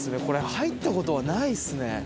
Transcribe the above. これ入ったことはないですね。